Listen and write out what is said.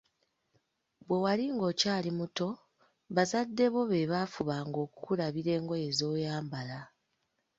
Bwe wali ng‘okyali muto, bazadde bo be baafubanga okukulabira engoye z'oyambala.